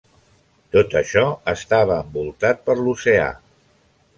Tot això estava envoltat per l'oceà.